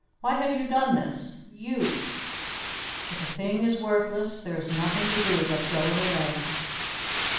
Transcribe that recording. Why have you done this you?" "If a thing is worthless, there is nothing to do but throw it away."